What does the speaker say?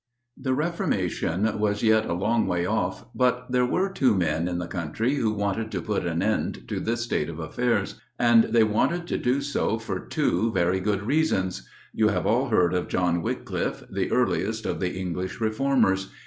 The Reformation was yet a long way off, but there were two men in the country who wanted to put an end to this state of affairs, and they wanted to do so for two very different reasons. You have all heard of John Wyclif, the earliest of the English Reformers.